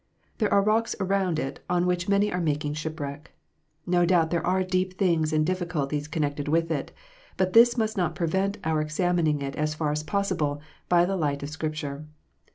There are rocks around it on which many are making shipwreck. No doubt there are deep things and difficulties connected with it. But this must not prevent our examining it as far as possible by the light of Scripture.